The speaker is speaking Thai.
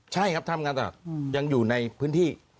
ใช่ครับทำงานตลาดยังอยู่ในพื้นที่